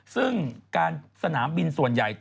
ซึ่งการสนามบินส่วนใหญ่